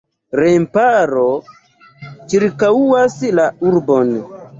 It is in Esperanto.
Remparo ĉirkaŭas la urbon.